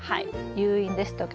誘引ですとか摘心